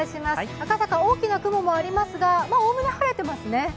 赤坂、大きな雲もありますが、おおむね晴れていますね。